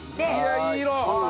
いやいい色！